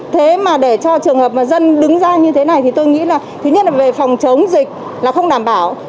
thế mà để cho trường hợp mà dân đứng ra như thế này thì tôi nghĩ là thứ nhất là về phòng chống dịch là không đảm bảo